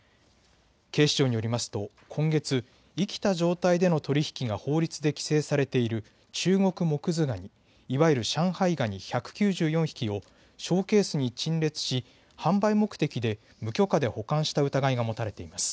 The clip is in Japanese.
警視庁によりますと今月、生きた状態での取り引きが法律で規制されているチュウゴクモクズガニ、いわゆる上海ガニ１９４匹をショーケースに陳列し販売目的で無許可で保管した疑いが持たれています。